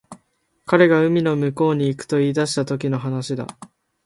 彼が海の向こうに行くと言い出したときの話だ